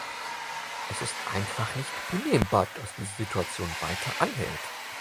Es ist einfach nicht hinnehmbar, dass diese Situation weiter anhält.